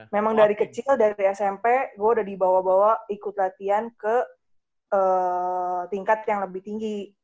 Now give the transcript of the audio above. memang dari kecil dari smp gue udah dibawa bawa ikut latihan ke tingkat yang lebih tinggi